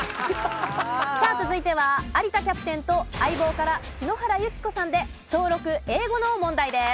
さあ続いては有田キャプテンと『相棒』から篠原ゆき子さんで小６英語の問題です。